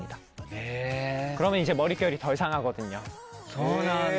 そうなんだ。